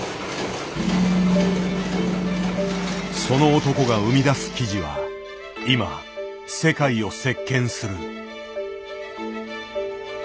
その男が生み出す生地は今世界を席けんする。